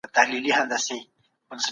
خپل ځان له غوسې څخه ژغورئ.